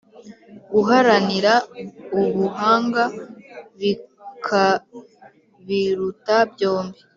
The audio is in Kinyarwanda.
guharanira ubuhanga bikabiruta byombi.